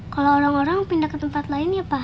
kalau orang orang pindah ke tempat lain ya pak